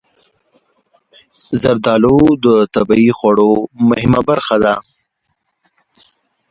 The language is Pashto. زردالو د طبعي خواړو مهمه برخه ده.